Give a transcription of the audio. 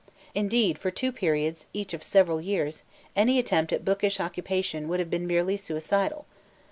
Indeed, for two periods, each of several years, any attempt at bookish occupation would have been merely suicidal.